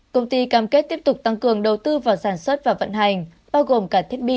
công ty cam kết tiếp tục tăng cường đầu tư vào sản xuất và vận hành